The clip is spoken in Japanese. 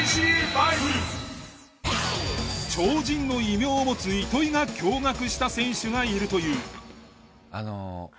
「超人」の異名を持つ糸井が驚愕した選手がいるという。